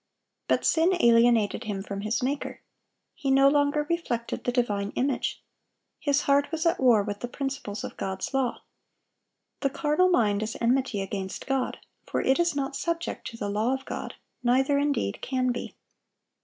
But sin alienated him from his Maker. He no longer reflected the divine image. His heart was at war with the principles of God's law. "The carnal mind is enmity against God: for it is not subject to the law of God, neither indeed can be."